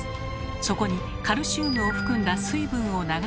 そこにカルシウムを含んだ水分を流し込むと。